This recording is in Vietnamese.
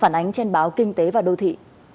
phản ánh trên báo kinh tế và đô thị